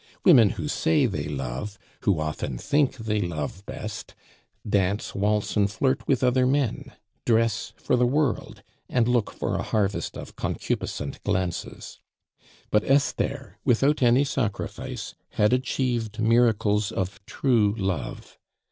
Women who say they love, who often think they love best, dance, waltz, and flirt with other men, dress for the world, and look for a harvest of concupiscent glances; but Esther, without any sacrifice, had achieved miracles of true love.